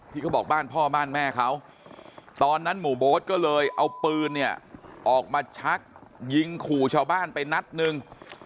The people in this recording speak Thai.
เขาบอกบ้านพ่อบ้านแม่เขาตอนนั้นหมู่โบ๊ทก็เลยเอาปืนเนี่ยออกมาชักยิงขู่ชาวบ้านไปนัดหนึ่ง